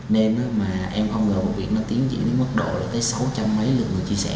nên mà em không ngờ một việc nó tiến diễn đến mức độ tới sáu trăm linh mấy lượt người chia sẻ